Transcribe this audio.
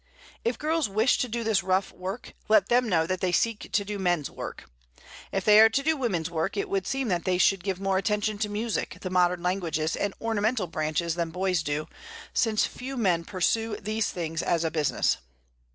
If girls wish to do this rough work, let them know that they seek to do men's work. If they are to do women's work, it would seem that they should give more attention to music, the modern languages, and ornamental branches than boys do, since few men pursue these things as a business.